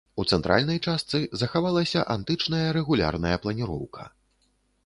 У цэнтральнай частцы захавалася антычная рэгулярная планіроўка.